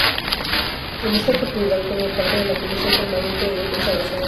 En esta oportunidad formó parte de la comisión permanente de Defensa Nacional.